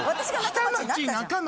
北町中町。